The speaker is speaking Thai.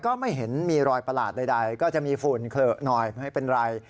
ก็ไม่เห็นมีรอยประหลาดใดก็จะมีฝุ่นเละหน่อยไม่เป็นไร